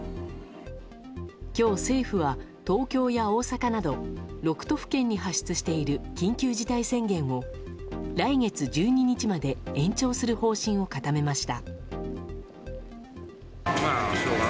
今日、政府は東京や大阪など６都府県に発出している緊急事態宣言を来月１２日まで延長する方針を固めました。